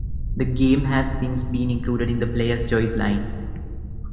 The game has since been included in the Player's Choice line.